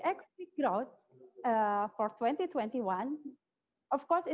pengembangan ekonomi di dua ribu dua puluh satu